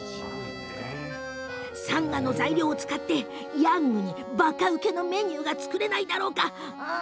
さんがの材料を使ってヤングに、ばか受けのメニューが作れないだろうか。